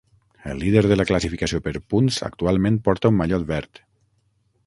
El líder de la classificació per punts actualment porta un mallot verd.